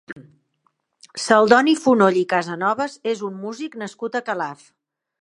Celdoni Fonoll i Casanoves és un músic nascut a Calaf.